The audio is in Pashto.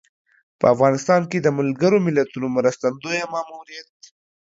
په افغانستان کې د ملګر ملتونو مرستندویه ماموریت